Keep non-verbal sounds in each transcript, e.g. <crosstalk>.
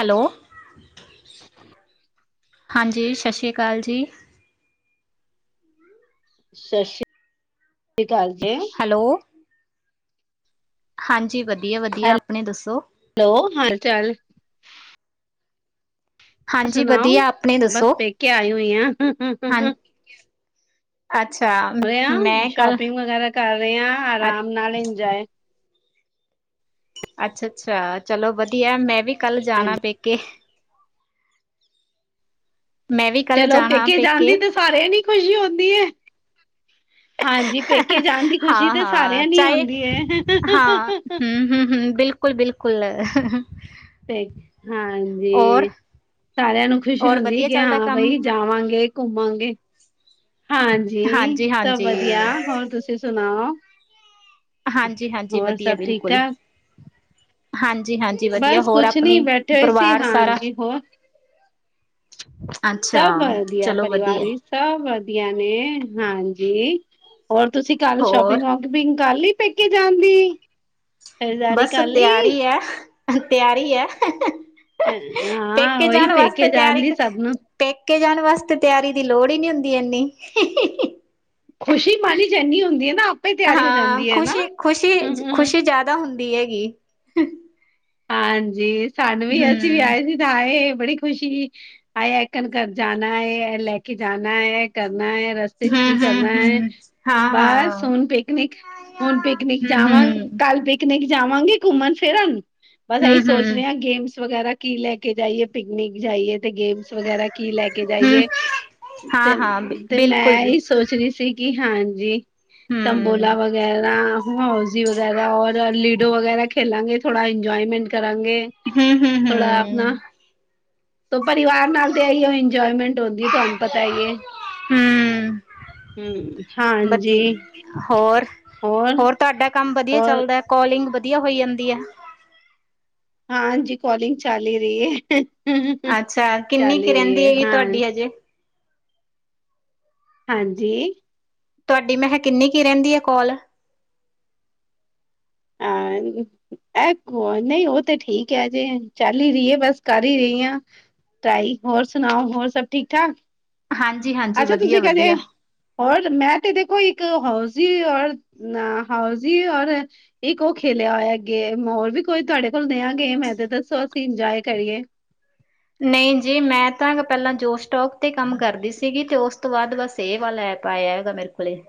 Hello. <inaudible> ਹਾਂਜੀ, ਸ਼ਸ਼੍ਰੀ ਕਾਲ ਜੀ। ਸ਼ਸ਼ਿ ਅਕਾਲ ਜੀ। ਹੈਲੋ! ਹਾਂਜੀ, ਵਦੀਆ- ਵਦੀਆ, ਆਪਨੀ ਦੱਸੋ। ਹੈਲੋ, ਹਾਲ-ਚਾਲ? ਹਾਂਜੀ ਸੁਨਾਓ, ਵਧੀਆ ਆਪਣੇ ਦੱਸੋ ਬਸ ਪੇਕੇ ਆਈ ਹੋਈ ਆ। ਹਾਂ ਅੱਛਾ। ਪ੍ਰਿਆ, ਮੈਂ ਕੱਲ ਸ਼ੋਪਿੰਗ ਵਗੈਰਾ ਕਰ ਰਏ ਆ, ਅ ਆਰਾਮ ਨਾਲ ਇੰਜੋਏ। ਅੱਛਾ-ਅੱਛਾ, ਚਲੋ ਵਦੀਆ, ਮੈਂ ਵੀ ਕੱਲ ਜਾਨਾ ਹਾਂਜੀ, ਪੇ ਕੇ। ਮੈਂ ਵੀ ਕੱਲ ਚਲੋ, ਜਾਣਾ ਪੇਕੇ ਜਾਂਨ ਦੀ ਤੇ ਸਾਰੇਆ ਨੂੰ ਖੁਸ਼ੀ ਹੁੰਦੀ ਏ। <inaudible> ਖੁਸ਼ੀ ਹਾਂ, ਤਾਂ ਹਾਂ, ਸਾਰਿਆਂ ਨੂੰ ਚਾਏ ਹੁੰਦੀ ਹੈ, ਹਾਂ, ਹੂੰ- ਹੂੰ -ਹੂੰ, ਬਿਲ। ਬਿਲਕੁਲ-ਬਿਲਕੁਲ। 'ਤੇ, ਹਾਂਜੀ। ਸਾਰਿਆਂ ਨੂੰ ਖੁਸ਼ੀ ਔਰ ਹੁੰਦੀ ਵਧੀਆ ਕਿ ਚੱਲਦਾ ਹਾਂ ਕੰਮ ਬਈ ਜਾਵਾਂਗੇ ਘੁੰਮਾਂਗੇ। ਹਾਂਜੀ ਹਾਂਜੀ ਸਭ ਹਾਂਜੀ ਵਧੀਆ, ਹੋਰ ਤੁਸੀਂ ਸੁਣਾਓ? ਹਾਂਜੀ-ਹਾਂਜੀ ਹੋਰ ਵਧੀਆ ਸਭ ਠੀਕ ਬਿਲਕੁਲ ਠਾਕ? ਹਾਂਜੀ ਹਾਂ ਬਸ ਕੁਛ ਨੀ ਬੈਠੇ ਹੋਏ ਸੀ ਹਾਂਜੀ ਹੋਰ। ਅੱਛਾ ਸਭ ਵਧੀਆ ਚਲੋ ਪਰਿਵਾਰ ਵਧੀਆ ਵਿਚ। ਸਭ ਵਧੀਆ ਨੇ ਹਾਂਜੀ ਹੋਰ ਤੁਸੀਂ ਕੱਲ ਹੋਰ ਸ਼ੋਪਿੰਗਾ ਪਿਂਗ ਕਰ ਲੀ ਪੇਕੇ ਜਾਨ ਦੀ। ਖਰੀਦਦਾਰੀ ਬਸ ਕਰ ਲਈ ਤਿਆਰੀ ਐ, ਤਿਆਰੀ ਐ। ਹਾਂ ਉਹੀ ਪੇਕੇ ਜਾਣ ਦੀ ਸਭ ਨੂੰ ਪੇਕੇ ਜਾਣ ਵਾਸਤੇ ਤਿਆਰੀ ਦੀ ਲੋੜ ਹੀ ਨੀ ਹੁੰਦੀ ਏਨੀ। ਖੁਸ਼ੀ ਮਨ ਇਚ ਏਨੀ ਹੁੰਦੀ ਏ ਨਾ। ਆਪੇ ਤਿਆਰੀ ਹੋ ਹਾਂ ਜਾਂਦੀ ਹੈ ਨਾ ਖੁਸ਼ੀ-ਖੁਸ਼ੀ, ਖੁਸ਼ੀ ਜਾਦਾ ਹੁੰਦੀ ਹੈ ਗੀ। ਹਾਂਜੀ ਸਾਨੂੰ ਵੀ ਅਸੀਂ ਵੀ ਹਮ ਆਏ ਸੀ ਤਾਂ ਆਏ ਬੜੀ ਖੁਸ਼ੀ ਆਏ ਐਕਣ ਜਾਣਾ ਐ ਲੈ ਕੇ ਜਾਣਾ ਐ ਕਰਨਾ ਐ ਰ ਸਤੇ ਚ ਕੀ ਕਰਨਾ ਐ। ਹਮ-ਹਮ-ਹਮ ਬਸ ਹਾਂ-ਹਾਂ ਹੁਨ ਪਿਕਨਿਕ ਹੁਨ ਪਿਕਨਿਕ ਜਾਵਾ ਹਮ-ਹਮ ਕੱਲ ਪਿ ਕਨਿਕ ਜਾਵਾਂਗੀ ਘੁੰਮਨ ਫਿਰਨ। ਬਸ ਐਈ ਸੋਚ ਹਮ-ਹਮ ਰਹੇ ਹਾਂ ਗੇਮਸ ਵਗੈਰਾ ਕੀ ਲੈ ਕੇ ਜਾਈਏ ਪਿਕਨਿਕ ਜਾਈਏ ਤੇ ਗੇਮ ਸ ਵਗੈਰਾ ਕੀ ਲੈ ਕੇ ਹਮ ਜਾਈਏ ਹਾਂ-ਹਾਂ ਤੇ-ਤੇ ਮੈਂ ਐ ਬਿਲਕੁਲ ਈ ਸੋਚ ਰੀ ਸੀ। ਕੀ ਹਾਂਜੀ ਹਮ ਤੰਬੋਲਾ ਵਗੈਰਾ, ਹੋਜੀ ਵਗੈਰਾ ਔਰ ਲੀਡੋ ਵਗੈਰਾ ਖੇਲਾਂਗੇ ਥੋੜਾ ਇੰਜੋਏਮੈਂਟ ਕਰਾਂਗੇ। ਹੂੰ-ਹੂੰ, ਹੂੰ। ਆਪਨਾ। ਤ ਪਰਿਵਾਰ ਨਾਲ ਤੇ ਐਈਉ ਇੰਜੋਏਮੈਂਟ ਹੁੰਦੀ ਏ ਤੁਹਾਨੂੰ ਪਤਾ ਈ ਏ। ਹੂਬ ਹਾਂਜੀ ਵਧੀ ਹੋਰ ਹੋਰ-ਹੋਰ ਤੁਡਾ ਕੰਮ ਵਧੀਆ ਹੋਰ ਚੱਲਦਾ ਕੋਲਿੰਗ ਵਧੀਆ ਹੋਈ ਜਾਂਦੀ ਐ। ਹਾਂਜੀ ਕੋਲਿੰਗ ਚਾਲ ਰਈ ਏ ਅੱਛਾ ਕਿੰਨੀ ਚਲ ਕੁ ਈ ਰਈ ਰਹਿੰਦੀ ਏ ਹੈਗੀ ਹਾਂ ਤੁਹਾਡੀ ਹਜੇ ਹਾਂਜੀ? ਤੁਹਾਡੀ ਮੈਂ ਹੈ ਕਿੰਨੀ ਕੀ ਰਹਿੰਦੀ ਐ ਕੋਲ? <unintelligible> ਐ ਨਈ ਉਹ ਤੇ ਠੀਕ ਹੈ ਜੇ ਚੱਲ ਹੀ ਰਈਏ ਬਸ ਕਰ ਹੀ ਰਈ ਆ। ਤਾਈ ਹੋਰ ਸੁਣਾਓ ਹੋਰ ਸਭ ਠੀਕ ਠਾਕ। ਹਾਂਜੀ-ਹਾਂਜੀ ਅੱਛਾ ਤੁਸੀਂ ਕਦੇ ਵਧੀਆ-ਵਧੀਆ। ਹੋਰ ਮੈਂ ਤੇ ਦੇਖੋ ਇੱਕ ਹਾੳਜੀ ਔਰ ਅ ਹਾੳਜੀ ਔਰ ਇੱਕ ਉਹ ਖੇਲਿਆ ਹੋਇਆ ਗੇਮ ਹੋਰ ਵੀ ਕੋਈ ਤੁਹਾਡੇ ਕੋਲ ਨਿਆ ਗੇਮ ਹੈ ਤੇ ਦੱਸੋ ਅਸੀਂ ਇੰਜੋਏ ਕਰੀਏ। ਨਈ ਜੀ ਮੈਂ ਤਾਂ ਪੈਲਾਂ ਜੋ ਸਟੋਕ ਤੇ ਕੰਮ ਕਰਦੀ ਸੀਗੀ ਤੇ ਉਸ ਤੋਂ ਬਾਦ ਬਸ ਏ ਵਾਲਾ ਐਪ ਆਇਆ ਹੈਗਾ ਮੇਰੇ ਕੋਲੇ।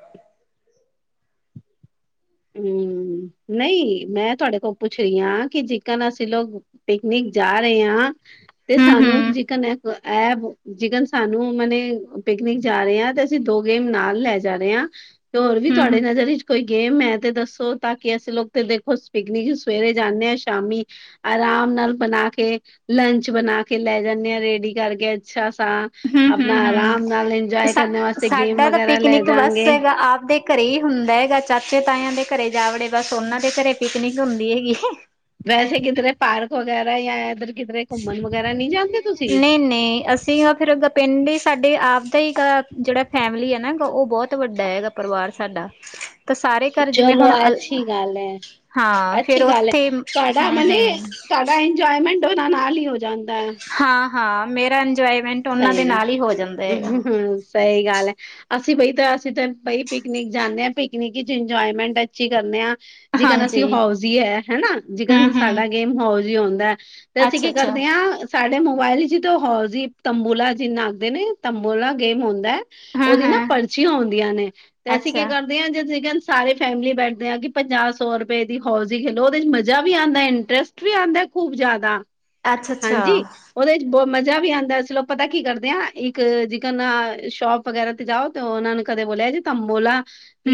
ਹੂੰ ਨਈ ਮੈਂ ਤੁਹਾਡੇ ਕੋਲ ਪੁੱਛ ਰਹੀ ਆ ਕਿ ਜਿਕਨ ਅਸੀਂ ਲੋਕ ਪਿਕਨਿਕ ਜਾ ਰਏ ਆ। ਤੇ ਹਮ ਸਾਨੂੰ ਹਮ ਜੀਕਨ ਇਹ ਐਪ ਜੀਕਨ ਸਾਨੂੰ ਓਹਨੇ ਨੇ ਪਿਕਨਿਕ ਜਾ ਰੇ ਆ ਤੇ ਅਸੀਂ ਦੋ ਗੇਮ ਨਾਲ ਲੈ ਜਾ ਰੇ ਆ ਤੇ ਹੋਰ ਵੀ ਹਮ ਤੁਹਾਡੇ ਹਮ ਨਜ਼ਰ ਵਿੱਚ ਕੋਈ ਗੇਮ ਹੈ ਤੇ ਦੱਸੋ ਤਾਂ ਕਿ ਅਸੀਂ ਲੋਕ ਤੇ ਦੇਖੋ ਪਿਕਨਿਕ ਸਵੇਰੇ ਜਾਨੇ ਆ ਸ਼ਾਮੀ ਆਰਾਮ ਨਾਲ ਬਣਾ ਕੇ ਲੰਚ ਬਣਾ ਕੇ ਲੈ ਜਾਨੇ ਆ ਰੇਡੀ ਕਰਕੇ ਅੱਛਾ ਸਾ। ਹਮ ਆਪਣਾ ਹਮ ਹਮ ਆਰਾਮ ਨਾਲ ਇੰਜੋਏ ਸਾ ਕਰਨੇ ਵਾਸਤੇ ਗੇਮ ਸਾਡਾ ਤਾਂ ਵਗੈਰਾ ਲੈ ਪਿਕਨਿਕ ਬਸ ਜਾਗੇ। ਹੈਗਾ ਆਪਦੇ ਘਰੇ ਹੀ ਹੁੰਦਾ ਹੈਗਾ ਚਾਚੇ ਤਾਇਆਂ ਦੇ ਘਰੇ ਜਾਵੜੇ ਬਸ ਉਹਨਾਂ ਦੇ ਘਰੇ ਪਿਕਨਿਕ ਹੁੰਦੀ ਹੈਗੀ। ਵੈਸੇ ਕਿਧਰੇ ਪਾਰਕ ਵਗੈਰਾ ਜਾਂ ਇਧਰ ਨਈ-ਨਈਅਸੀ ਫਿਰ ਉਦਾ ਪਿੰਡ ਹੀ ਸਾਡੇ ਆਪਦਾ ਈ ਗਾ ਜੇੜਾ ਫੈਮਲੀ ਹੈ ਨਾ ਗਾ ਓ ਬੋਤ ਵੱਡਾ ਹੈਗਾ ਪਰਿਵਾਰ ਸਾਡਾ <inaudible> ਤਾਂ ਸਾਰੇ ਘਰ ਜਿਵੇਂ ਚਲੋ ਹੁਣ ਅਲ ਅੱਛੀ ਗੱਲ ਹੈ ਹਾਂ ਫਿਰ ਅੱਛੀ ਗੱਲ ਹੈ, ਉੱਥੇ ਤੁਹਾਡਾ ਮਨੇ ਹੂੰ-ਹੂੰ। ਤੁਹਾਡਾ ਇੰਜੋਏਮੈਂਟ ਉਨਾ ਨਾਲ ਈ ਹੋ ਜਾਂਦਾ। ਹਾਂ-ਹਾਂ ਮੇਰਾ ਇੰਜੋਏਮੈਂਟ ਉਨਾਂ ਦੇ ਨਾਲ ਈ ਹੋ ਜਾਂਦਾ ਹੈਗਾ। ਸਈ ਗੱਲ ਅਸੀ ਬਈ ਤਾਂ ਅਸੀ ਤਾਂ ਪਈ ਪਿਕਨਿਕ ਜਾਂਦੇ ਆਂ ਪਿਕਨਿਕ ਵਿੱਚ ਇੰਜੋਏਮੈਂਟ ਅੱਛੀ ਕਰਨੇ ਆਂ। ਜਿਕਨ ਅਸੀ ਹਾਂਜੀ ਹੋਜੀ ਹੈ ਹੈਨਾ ਹਮ ਜਿਕਨ ਹਮ ਸਾਡਾ ਗੇਮ ਹੋਜੀ ਹੁੰਦਾ। ਤੇ ਅਸੀ ਅੱਛਾ ਕੀ ਅੱਛਾ ਕਰਦੇ ਹਾਂ ਸਾਡੇ ਮੋਬਾਇਲ 'ਚ ਤਾਂ ਹੋਜੀ ਤੰਬੋਲਾ ਜਿੰਨਾ ਆਖਦੇ ਨੇ ਤੰਬੋਲਾ ਗੇਮ ਹੁੰਦਾ। ਹਾਂ ਉਦੀ ਨਾ ਹਾਂ ਪਰਚੀਆਂ ਹੁੰਦੀਆਂ ਨੇ ਤੇ ਅਸੀ ਕੀ ਅੱਛਾ ਕਰਦੇ ਹਾਂ ਜੀ ਤੀਕਣ ਸਾਰੇ ਫੈਮਿਲੀ ਬੈਠਦੇ ਆ ਕਿ ਪੰਜਾਹ ਸੌ ਰੁਪਏ ਦੀ ਹੋਜੀ ਖੇਲੋ ਉਦੇ 'ਚ ਮਜ਼ਾ ਵੀ ਆਂਦਾ ਇੰਟਰਸਟ ਵੀ ਆਂਦਾ ਖੂਬ ਜਾਦਾ ਅੱਛਾ ਅੱਛਾ ਹਾਂਜੀ ਉਦੇ 'ਚ ਬ ਮਜ਼ਾ ਵੀ ਆਂਦਾ। ਚਲੋ ਪਤਾ ਕੀ ਕਰਦੇ ਆ ਇੱਕ ਜਿਕਰ ਨਾ ਸ਼ੋਪ ਵਗੈਰਾ ਤੇ ਜਾਓ ਤੇ ਉਨਾਂ ਨੂੰ ਕਦੇ ਬੋਲਿਆ ਜੀ ਤੰਬੋਲਾ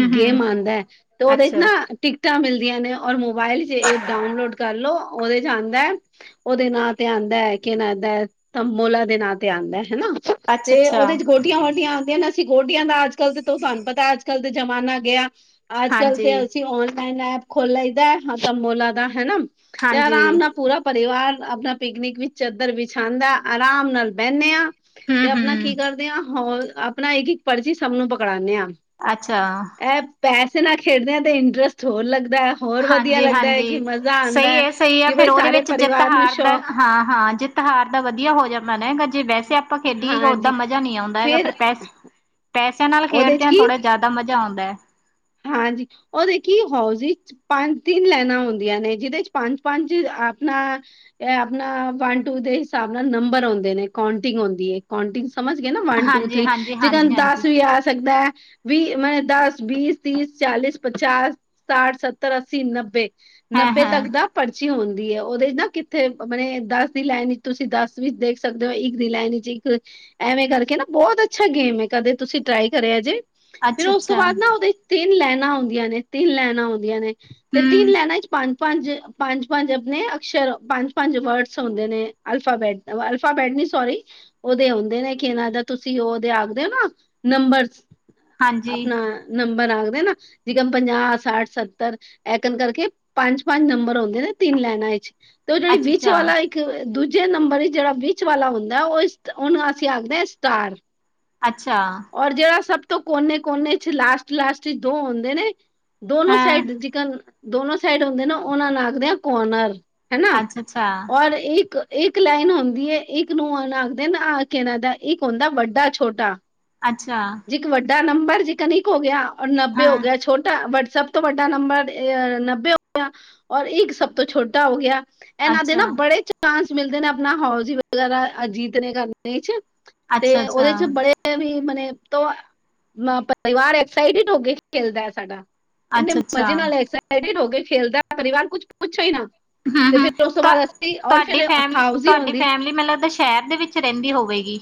ਇੱਕ ਹਮ ਗੇਮ ਆਂਦਾ ਤੇ ਉਦੇ 'ਚ ਅੱਛਾ ਨਾ ਟਿਕਟਾਂ ਮਿਲਦੀਆਂ ਨੇ ਔਰ ਮੋਬਾਇਲ 'ਚ ਐਪ ਡਾਊਨਲੋਡ ਕਰ ਲੋ ਉਦੇ ਚ ਆਂਦਾ। ਉਦੇ ਨਾਂ ਤੇ ਆਂਦਾ ਹੈ ਕਿ ਨਾ ਤੰਬੋਲਾ ਦੇ ਨਾਂ ਤੇ ਆਂਦਾ ਹੈਨਾ। ਅੱਛਾ ਤੇ ਅੱਛਾ ਉਦੇ 'ਚ ਗੋਟੀਆਂ ਵੋਟੀਆਂ ਆਂਦੀਆਂ ਨੇ। ਗੋਟੀਆਂ ਦਾ ਅੱਜ ਕੱਲ ਤੇ ਤੁਹਾਨੂੰ ਪਤਾ ਅੱਜ ਕੱਲ ਤੇ ਜ਼ਮਾਨਾ ਗਿਆ। ਅੱਜ ਕਲ ਤੇ ਹਾਂਜੀ ਅਸੀਂ ਔਨਲਾਈਨ ਐਪ ਖੋਲ ਲਈ ਦਾ ਹਾਂ ਤੰਬੋਲਾ ਦਾ ਹੈਨਾ। ਤੇ ਹਾਂਜੀ ਆਰਾਮ ਨਾਲ ਪੂਰਾ ਪਰਿਵਾਰ ਆਪਣਾ ਪਿਕਨਿਕ ਵਿੱਚ ਚੱਦਰ ਵਿਛਾਉਂਦਾ ਆਰਾਮ ਨਾਲ ਬੈਨੇ ਆਂ ਹਮ ਤੇ ਆਪਣਾ ਕੀ ਹਮ ਕਰਦੇ ਆਂ ਹੋਲ ਆਪਣਾ ਇੱਕ ਪਰਚੀ ਸਭ ਨੂੰ ਪਕੜਾਂਦੇ ਆਂ। ਅੱਛਾ ਇਹ ਪੈਸੇ ਨਾ ਖੇਡ ਦੇ ਆਂ ਤਾਂ ਇੰਟਰਸਟ ਹੋਰ ਲੱਗਦਾ। ਹੋਰ ਵਧੀਆ ਲੱਗਦਾ ਹੈ ਕਿ ਹਾਂਜੀ-ਹਾਂਜੀ। ਮਜ਼ਾ ਆਂਦਾ ਸਹੀ ਹੈ ਐ ਸਹੀ ਐ ਕਿ ਫੇਰ ਬਾਈ ਉਹਦੇ ਸਾਰੇ ਵਿੱਚ ਜਿੱਤ ਪਰਿਵਾਰ ਨੂੰ ਹਾਰ ਦਾ ਸ਼ੌਕ ਹਾਂ-ਹਾਂ ਜਿੱਤ ਹਾਰ ਦਾ ਵਧੀਆ ਹੋ ਜਾਂਦਾ ਨਾ ਜੇ ਵੈਸੇ ਆਪਾਂ ਖੇਡੀਏ ਗਾ ਓਦਾਂ ਹਾਂਜੀ ਮਜ਼ਾ ਨਈ ਆਉਂਦਾ ਹੈਗਾ ਪਰ ਫੇਰ ਪੈਸ ਪੈਸਿਆਂ ਨਾਲ ਉਹਦੇ ਖੇਡਦੇ ਚ ਆਂ ਕੀ ਥੋੜਾ ਜਾਦਾ ਦਾ ਮਜ਼ਾ ਆਉਂਦਾ। ਹਾਂਜੀ ਓ ਦੇਖੀ ਹੋਜ 'ਚ ਪੰਜ ਤਿੰਨ ਲੈਨਾਂ ਹੁੰਦੀਆਂ ਨੇ ਜਿਦੇ 'ਚ ਪੰਜ-ਪੰਜ ਆਪਣਾ ਇਹ ਆਪਣਾ ਵਨ ਟੂ ਦੇ ਹਿਸਾਬ ਨਾਲ ਨੰਬਰ ਆਉਂਦੇ ਨੇ ਕਾਂਟਿੰਗ ਹੁੰਦੀ ਏ ਕਾਂਟਿੰਗ ਸਮਝ ਗੇ ਨਾ ਵੰਨ ਟੂ ਥ੍ਰਰੀ ਜੇ ਕੈਂ ਹਾਂਜੀ-ਹਾਂਜੀ-ਹਾਂਜੀ-ਹਾਂਜੀ, ਦਸ ਵੀ ਆ ਸਕਦਾ ਹੈ ਵੀਹ ਮ ਦਸ ਵੀਹ ਤੀਸ ਚਾਲੀਸ ਪਚਾਸ ਸਾਠ ਸੱਤਰ ਅੱਸੀ ਨੱਬੇ ਨੱਬੇ ਹਾਂ-ਹਾਂ। ਤੱਕ ਦਾ ਪਰਚੀ ਹੁੰਦੀ ਏ ਉਦੇ ਨਾ ਕਿੱਥੇ ਆਪਣੇ ਦਸ ਦੀ ਲਾਈਨ ਤੁਸੀਂ ਦੱਸ ਵਿੱਚ ਦੇਖ ਸਕਦੇ ਹੋ ਇੱਕ ਦੀ ਲਾਇਨ ਵਿੱਚ ਇੱਕ ਐਵੇਂ ਕਰਕੇ ਨਾ ਬੋਤ ਅੱਛਾ ਗੇਮ ਹੈ ਕਦੇ ਤੁਸੀਂ ਟਰਾਈ ਕਰਿਆ ਜੇ। ਫਿਰ ਉਸ ਤੋਂ ਅੱਛਾ-ਅੱਛਾ, ਬਾਦ ਨਾ ਉਦੇ ਤਿੰਨ ਲੈਨਾਂ ਹੁੰਦੀਆਂ ਨੇ ਤਿੰਨ ਲੈਨਾਂ ਹੁੰਦੀਆਂ ਨੇ। ਤੇ ਤਿੰਨ ਹੂੰ, ਲੈਣਾ 'ਚ ਪੰਜ ਪੰਜ-ਪੰਜ-ਪੰਜ ਆਪਣੇ ਅਕਸ਼ਰ ਪੰਜ-ਪੰਜ ਵਰਡਸ ਹੁੰਦੇ ਨੇ ਅਲਫਾਬੈਟ ਅਲਫਾ ਬੈਟ ਨੀ ਸੋਰੀ ਉਦੇ ਹੁੰਦੇ ਨੇ ਕਿ ਇਹਨਾਂ ਦਾ ਤੁਸੀ ਉਦੇ ਆਖਦੇ ਹੋ ਨਾ ਨੰਬਰ ਹਾਂਜੀ, ਆਪਣਾ ਨੰਬਰ ਆਖਦੇ ਨਾ ਜਿਕਣ ਪੰਜਾਹ ਸਾੱਠ ਸੱਤਰ ਐਕਨ ਕਰਕੇ ਪੰਜ-ਪੰਜ ਨੰਬਰ ਹੁੰਦੇ ਨੇ ਤਿੰਨ ਲੈਨਾਂ ਵਿੱਚ ਤੇ ਓ ਜੇੜੀ ਵਿੱਚ ਵਾਲਾ ਅੱਛਾ-ਅੱਛਾ। ਇੱਕ ਦੂਜੇ ਨੰਬਰ ਇਚ ਜੇਹੜਾ ਵਿੱਚ ਵਾਲਾ ਹੁੰਦਾ ਐ ਓਹ ਓਹਨੂੰ ਅਸੀਂ ਆਖਦੇ ਹਾਂ ਸਟਾਰ। ਅੱਛਾ। ਔਰ ਜੇਹੜਾ ਸਭ ਤੋਂ ਕੋਨੇ-ਕੋਨੇ 'ਚ ਲਾਸਟ-ਲਾਸਟ ਇਚ ਦੋ ਹੋਂਦੇ ਨੇ ਅੱਛਾ ਦੋਨੋ ਸਾਈਡ ਹਾਂ, ਜਿਕਨ ਦੋਨੋ ਸਾਈਡ ਹੁੰਦੇ ਨਾ ਓਹਨਾਂ ਨੂੰ ਆਖਦੇ ਆਂ ਕੋਨਰ। ਹੈਨਾ, ਅੱਛਾ-ਅੱਛਾ, ਔਰ ਇੱਕ ਇੱਕ ਲਾਈਨ ਹੁੰਦੀ ਐ ਇੱਕ ਨੂੰ ਓਹ ਨਾ ਆਖਦੇ ਨ, ਆ ਕੀ ਨਾਂ ਈਦਾ ਇੱਕ ਹੁੰਦਾ ਵੱਡਾ ਛੋਟਾ। ਅੱਛਾ। ਇੱਕ ਵੱਡਾ ਨੰਬਰ ਜਿਕਨ ਇੱਕ ਹੋ ਗਿਆ ਔਰ ਨੱਬੇ ਹੋ ਹਾਂ। ਗਿਆ ਛੋਟਾ ਵਟਸਐਪ ਸਭ ਤੋਂ ਵੱਡਾ ਨੰਬਰ ਅ' ਨੱਬੇ ਹੋ ਗਿਆ ਔਰ ਇੱਕ ਸਭ ਤੋਂ ਛੋਟਾ ਹੋ ਗਿਆ ਐਹਨਾਂ ਦੇ ਨਾ ਅੱਛਾ, ਬੜੇ ਚਾਂਸ ਮਿਲਦੇ ਨੇ ਆਪਨਾ ਹੋਜੀ ਵਗੈਰਾ ਅ ਜੀਤਨੇ ਕਰਨੇ 'ਚ ਤੇ ਅੱਛਾ-ਅੱਛਾ, ਓਹਦੇ ਚ ਬੜੇ ਵੀ ਮਨੇ ਤੋ ਮ ਪਰਿਵਾਰ ਐਕਸਾਈਟਿਡ ਹੋ ਕੇ ਖੇਲਦਾ ਹੈ ਸਾਡਾ, ਐਨੇ ਮਜ਼ੇ ਅੱਛਾ-ਅੱਛਾ। ਨਾਲ ਸਾਈਟੀਡ ਹੋ ਕੇ ਖੇਲਦਾ ਏ ਪਰਿਵਾਰ, ਕੁਛ ਪੁੱਛੋ ਈ ਨਾ ਤੇ ਹਾਂ-ਹਾਂ, ਫਿਰ ਉਸ ਤੋਂ ਤਾ ਬਾਅਦ ਅਸੀਂ ਔਰ ਤਾਡੀ ਫਿਰ ਹਾਊਸ ਹੀ ਫੈਮਲੀ-ਤਾਡੀ ਹੁੰਦੀ ਫੈਮਿਲੀ ਮੈਨ ਲਗਦੈ ਸ਼ੈਰ ਦੇ ਵਿੱਚ ਰੈਂਦੀ ਹੋਵੇਗੀ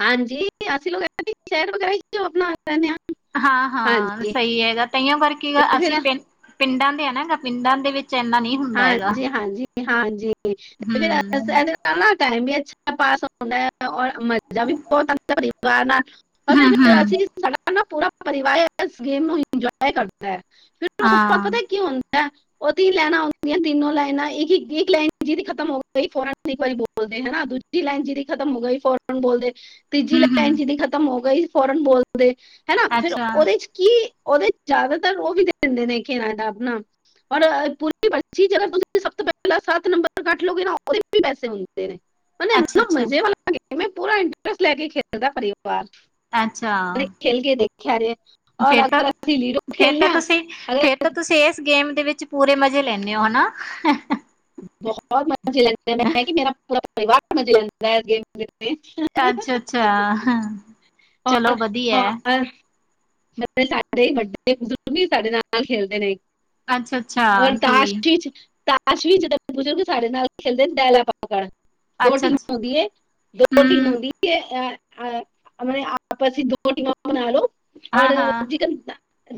ਹਾਂਜੀ, ਅਸੀ ਲੋਕ ਐਥੇ ਸ਼ੈਰ ਵਗੈਰਾ ਚ <unintelligible> ਆਪਨਾ ਰੈਨੇ ਆਂ ਹਾਂ-ਹਾਂ, ਸਈ ਹੈਗਾ। ਤਾਂਈਓ ਵਰਕਿੰਗ ਤੇ ਫਿਰ ਅਸੀਂ ਪਿੰ ਪਿੰਡਾਂ ਦੇ ਐ ਨਾ ਗੇ ਪਿੰਡਾਂ ਦੇ ਵਿੱਚ ਐਨਾ ਨਹੀਂ ਐ ਹਾਂਜੀ-ਹਾਂਜੀ-ਹਾਂਜੀ ਤੇ ਫਿਰ ਐਹਦੇ ਨਾਲ ਨਾ ਟਾਈਮ ਵੀ ਅੱਛਾ ਪਾਸ ਹੋਂਦਾ ਐ ਔਰ ਮਜਾ ਵੀ ਬੋਤ ਆਂਦਾ ਐ ਪਰਿਵਾਰ ਨਾਲ ਅਸੀ ਫਿਰ ਅਂ ਹੂੰ-ਹੂੰ ਅਸੀ ਕ ਸਾਡਾ ਨਾ ਪੂਰਾ ਪਰਿਵਾਰ ਐਸ ਗੇਮ ਨੂੰ ਇੰਜਵਾਏ ਕਰਦਾ ਐ ਫਿਰ ਓ ਤੇ ਤਵਾਨ ਹਾਂ ਪਤੈ ਕੀ ਹੋਂਦੈ ਓ ਤਿੰਨ ਲੈਨਾ ਔਂ ਜਿੰਦੀਆਂ ਤਿੰਨੋ ਲੈਨਾਂ, ਇੱਕ-ਇੱਕ, ਇੱਕ ਲੈਨ ਜਿਹਦੀ ਖਤਮ ਹੋ ਗਈ ਫੋਰਨ ਇੱਕ ਵਾਰੀ ਬੋਲਦੇ ਹੈਨਾ, ਦੂਜ ਜੀ ਲੈਨ ਜਿਹਦੀ ਖਤਮ ਹੋ ਗਈ ਫੋਰਨ ਬੋਲਦੇ ਤੀਜੀ ਲੈਨ ਹੂੰ-ਹੂੰ ਜਿਹਦੀ ਖ਼ਤਮ ਹੋ ਗਈ ਫੋਰਨ ਬੋਲਦੇ, ਹੈਨਾ, ਫਿਰ ਅੱਛਾ ਓਹਦੇ 'ਚ ਕੀ ਓਹਦੇ ਚ ਜਿਆਦਾਤਰ ਓਹ ਵੀ ਦੇ ਦੇਂਦੇ ਨੇ ਕੇ ਨਾਂ ਏਦਾ ਆਪਣਾ ਹੁਨ ਪੂ ਆਪਨੀ ਪਰਚੀ 'ਚ ਅਗਰ ਤੁਸੀਂ ਸਭ ਤੋਂ ਪਹਿਲਾਂ ਸੱਤ ਨੰਬਰ ਕੱਟ ਲਓਗੇ ਨਾ ਓਹਦੇ ਚ ਉਤਨੇ ਈ ਪੈਸੇ ਮਿਲਦੇ ਨੇ। ਮਲਬ ਐਨਾ ਅੱਛਾ-ਅੱਛਾ ਮਜ਼ੇ ਵਾਲਾ ਮੈਂ ਪੂਰਾ ਇੰਟਰਸਟ ਲੈ ਕੇ ਖੇਲਦੈ ਪਰਿਵਾਰ ਅੱਛਾ ਕਦੇ ਖੇਲ ਕੇ ਦੇਖਿਆਾ ਜੇ ਔਰ ਫੇਰ ਅਗਰ ਅਸੀਂ ਲੀਡੋ ਤਾਂ-ਫੇਰ ਖੇਲਦੇ ਤਾਂ ਹਾਂ ਤੁਸੀਂ ਅਗਰ ਫੇਰ ਤਾਂ ਤੁਸੀਂ ਇਸ ਗੇਮ ਦੇ ਵਿੱਚ ਪੂਰੇ ਮਜੇ ਲੈਨੇ ਹੋ, ਹੈ ਨਾ ਬਹੋਤ ਮਜੇ ਲੈਂਦੇ ਆਂ ਮੈਂ ਕੀ ਮੇਰਾ ਪੂਰਾ ਪਰਿਵਾਰ ਮਜੇ ਲੈਂਦਾ <unintelligible> ਗੇਮ ਖੇ ਅੱਛਾ-ਅੱਛਾ ਹਾਂ। ਹੋਰ ਚਲੋ ਵਧੀਆ ਹੋਰ ਮੈ ਕਿਆ ਸਾਡੇ ਵੱਡੇ ਬਜ਼ੁਰਗ ਵੀ ਸਾਡੇ ਨਾਲ-ਨਾਲ ਖੇਲਦੇ ਨੇ ਅੱਛਾ-ਅੱਛਾ ਹੋਰ ਤਾਸ਼ ਠੀਕ ਇੱਚ ਤਾਸ਼ ਅਸ਼ੀਸ਼ ਵੀ ਜਦ ਪੁੱਜੋਗੇ ਸਾਡੇ ਨਾਲ ਖੇਲਦੇ ਦੈਲਾ ਪਾਕੜ ਦੋ ਅੱਛਾ-ਅੱਛਾ ਟੀਮਾਂ ਹੁੰਦੀਏ ਦੋ ਟੀਮ ਹੂੰ ਹੁੰਦੀ ਏ ਆਪਨੇ ਆਪ ਤੇ ਅਸੀ ਦੋ ਦੋ ਟੀਮਾਂ ਬਨਾ ਲੋ ਔਰ ਹਾਂ-ਹਾਂ ਜਿਕਨ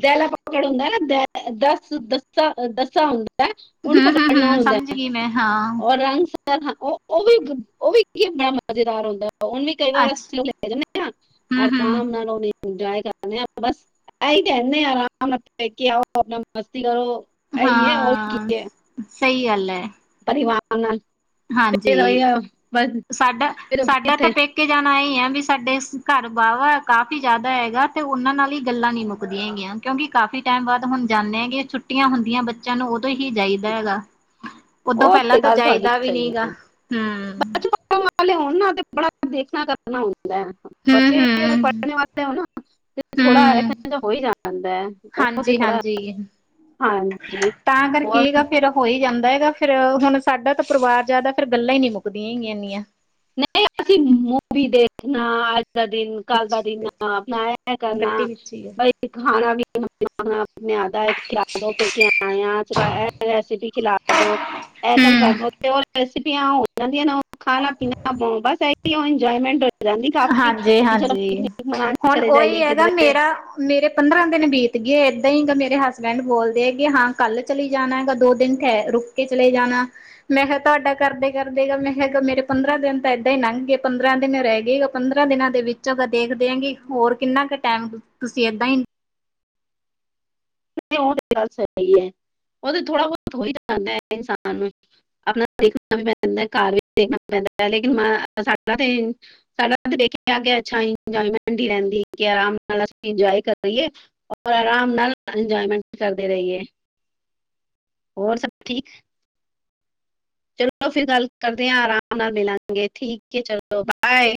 ਦੈਲਾ ਪਕੜ ਹੁੰਦਾ ਨਾ ਦ ਦਸ ਦਸਾਂ-ਦਸਾਂ ਹੁੰਦਾ ਹੈ ਉਹਨੂੰ ਪਕੜਨਾ ਹੁੰ-ਹੁੰ-ਹੁੰ ਹੁੰਦਾ ਸਮਝ ਗਈ ਮੈਂ ਹਾਂ ਔਰ ਰੰਗ ਸ ਓਹ ਓਹ ਵੀ ਓਹ ਵੀ ਕੀ ਬੜਾ ਮਜ਼ੇਦਾਰ ਹੁੰਦੈ, ਓਹਨੇ ਕਈ ਵਾਰ ਅੱਛ ਰੈਸਟ ਲਈ ਲੈ ਜਾਨੇ ਆਂ, ਹੂੰ-ਹੂੰ ਆਰਾਮ ਨਾਲ ਓਹ ਇੰਜੋਏ ਕਰਨੇ ਆ ਬਸ, ਏਹੀ ਕੈਂਨੇ ਆ ਆਰਾਮ ਨਾਲ ਪੈਕੇ ਆਓ, ਅਪਨਾ ਮਸਤੀ ਕਰੋ ਐਈ ਏ, ਹੋਰ ਕੀ ਹਾਂ ਏ। ਸਹੀ ਗੱਲ ਏ। ਪਰਿਵਾ ਹਾਂਜੀ ਬਸ ਸਾਡਾ, ਫਿਰ ਸਾਡਾ ਤਾਂ ਕਿੱਥੇ ਪੇਕ ਕੀ ਜਾਨਾ ਏਹੀ ਆ ਵੀ ਸਾਡੇ ਘਰ ਵਾਵਾ ਕਾਫੀ ਜਾਦਾ ਹੈਗਾ ਤੇ ੳਨਾਂ ਨਾਲ ਈ ਗਲਾਂ ਨੀ ਮੁੱਕਦੀਆਂ ਹੈਗੀਆਂ। ਕਿਉਂਕਿ ਕਾਫੀ ਟਾਈਮ ਬਾਦ ਹੁਨ ਜਾਨੇ ਕੇ ਛੁੱਟੀਆਂ ਹੁੰਦੀਆਂ ਬੱਚੇਆਂ ਨੂੰ, ੳਦੋਂ ਹੀ ਜਾਈਦਾ ਹੈਗਾ। ਉਦੋਂ ਉਹ ਪੈਲਾਂ ਤੇ ਤਾਂ ਗੱਲ ਤੁਹਾਡੀ ਜਾਈਦਾ ਵੀ ਨੀ ਗਾ, ਹੂੰ। ਪਢ਼ਨੇ ਵਾਲੇ ਹੋਨ ਨਾ ਤੇ ਬੜਾ ਦੇਖਨਾ, ਕਰਨਾ ਹੁੰਦਾ ਹੈ। ਬੱਚੇ ਅਗਰ ਹੂੰ-ਹੂੰ ਪਢ਼ਨੇ ਵਾਲੇ ਹੋਨ ਨਾ ਤੇ ਥੋੜਾ ਹੂੰ ਏਹ ਹੋਈ ਜਾਂਦਾ ਏ। ੳਹ ਤੇ ਥੋੜਾ ਹਾਂਜੀ-ਹਾਂਜੀ ਹਾਂਜੀ, ਹੋਰ ਹੋਈ ਜਾਂਦਾ ਹੈਗਾ ਫੇਰ ਹੁਨ ਸਾਡਾ ਤਾਂ ਪਰਿਵਾਰ ਜਾਦਾ, ਫੇਰ ਗੱਲਾਂ ਈ ਨਈ ਮੁੱਕਦੀਆਂ ਹੈਗੀਆਂ ਏਨੀਆਂ। ਨਈ ਅਸੀ ਮੂਵੀ ਦੇਖਨਾ ਦਾ ਦਿਨ ਕੱਲ ਦਾ ਵਿੱਚ ਦਿਨ ਅਪਨਾ ਏ ਗੱਟੀ ਕਰਨਾ, ਵਿੱਚ ਹੀ ਹੈ ਬਈ ਖਾਨਾ ਵੀ ਅਪਨੇ ਆਦਾ ਖਿਲਾ ਦੋ ਪੇਕੇ ਆਏ ਆ, ਏ ਰੈਸਿਪੀ ਖਿਲਾ ਦੋ ਏ ਕੰਮ ਕਰ ਦੋ ਤੇ ੳ ਰੈਸਿਪੀਆ ਹੋ ਜਾਂਦੀਆਂ ਨੇ ਖਾਨਾ-ਪੀਨਾ ਬਸ ਏਹੀ ਏਜਵਾਏਮੈਂਟ ਹੋ ਜਾਂਦੀ ਕਾਫੀ ਹਾਂਜੀ ਕਿ ਚਲੋ ਹਾਂਜੀ ਪਿਕਨਿਕ ਮਨਾਨ ਹੁਣ ਚਲੇ ਉਹੀ ਜਾਈਏ ਹੈਗਾ ਕਿਧਰੇ। ਮੇਰਾ ਮੇਰੇ ਪੰਦਰਾਂ ਦਿਨ ਬੀਤ ਗਏ ਏਦਾਂ ਈ। ਮੇਰੇ ਹਸਬੈਂਡ ਬੋਲਦੇ ਕਿ ਹਾਂ ਕੱਲ ਚਲੀ ਜਾਨਾ ਹੈਗਾ, ਦੋ ਦਿਨ ਠਹਰ, ਰੁਕ ਕੇ ਚਲੇ ਜਾਨਾ। ਮੈਂਹ ਤੁਹਾਡਾ ਕਰਦੇ ਕਰਦੇ ਮੈਂ ਕੈਹਾ ਮੇਰੇ ਪੰਦਰਾਂ ਦਿਨ ਤਾਂ ਏਦਾਂ ਹੀ ਨੰਘ ਗਏ, ਪੰਦਰਾਂ ਦਿਨ ਰੈ ਗਏ, ੳ ਪੰਦਰਾਂ ਦਿਨਾਂ ਦੇ ਵਿੱਚ ਅ ਦੇਖਦੇ ਆਂ ਕਿ ਹੋਰ ਕਿੰਨਾ ਕੁ ਟਾਈਮ ਤੁਸੀ ਏਦਾਂ ਈ ੳਹ ਤੇ ਗੱਲ ਸਹੀ ਏ। ੳਹ ਤੇ ਥੋੜਾ ਬੋਹਤ ਹੋ ਈ ਜਾਂਦਾ ਏ ਇਨਸਾਨ। ਅਪਨਾ ਦੇਖਨਾ ਵੀ ਪੈਂਦਾ, ਘਰ ਵੀ ਦੇਖਨਾ ਪੈਂਦਾ ਲੇਕਿਨ ਸਾਡਾ ਤੇ ਸਾਡਾ ਦੇਖ ਕੇ ਇੱਛਾ ਇੰਜੋਏਮੈਂਟ ਈ ਰੇਂਦੀ ਕਿ ਆਰਾਮ ਨਾਲ ਅਸੀ ਇੰਜੋਏ ਕਰੀਏ। ਆਰਾਮ ਨਾਲ ਇੰਜੋਏਮੈਂਟ ਕਰਦੇ ਰਹੀਏ। ਹੋਰ ਸਭ ਠੀਕ। ਚਲੋ ਫਿਰ ਗੱਲ ਕਰਦੇ ਆ ਆਰਾਮ ਨਾਲ ਮਿਲਾਂਗੇ ਠੀਕ ਏ, ਚਲੋ ਬਾਏ।